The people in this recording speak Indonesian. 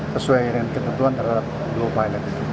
sesuai dengan ketentuan terhadap dua pilot itu